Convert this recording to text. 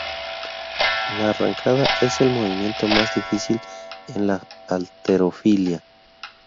La arrancada es el movimiento más difícil en la halterofilia.